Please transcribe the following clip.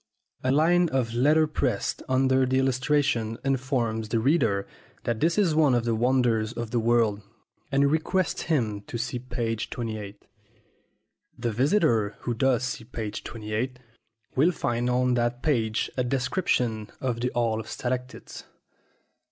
A line of letterpress under the illustration informs the reader that this is one of the wonders of the world, and requests him to "see p. 28." The visitor who does "see p. 28" will find on that page a description of the Hall of Stalactites.